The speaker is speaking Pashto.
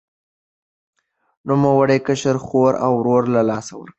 نوموړي کشره خور او ورور له لاسه ورکړل.